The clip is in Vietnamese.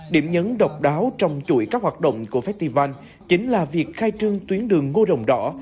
điểm nhấn độc đáo trong chuỗi các hoạt động của festival chính là việc khai trương tuyến đường ngô đồng đỏ